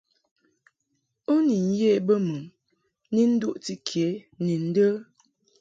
U ni ye bə mɨ ni nduʼti ke ni ndə ?